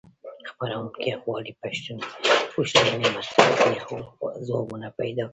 څېړونکي غواړي پوښتنې مطرحې کړي او ځوابونه پیدا کړي.